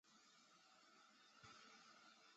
万历十年担任广东惠州府知府。